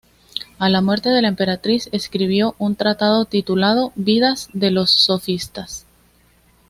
A la muerte de la emperatriz escribió un tratado titulado "Vidas de los sofistas".